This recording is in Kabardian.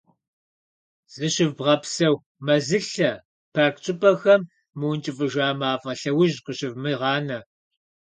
Зыщывгъэпсэху мэзылъэ, парк щӀыпӀэхэм мыункӀыфӀыжа мафӀэ лъэужь къыщывмыгъанэ.